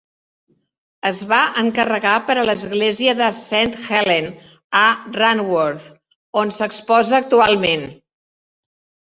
Es va encarregar per a l'església de Saint Helen, a Ranworth, on s'exposa actualment.